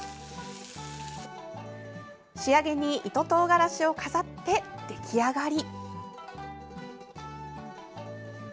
仕上げに糸とうがらしを飾って出来上がり。